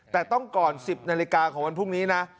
แต่ต้องก่อน๑๐นาฬิกาของวันพรุ่งนี้นะ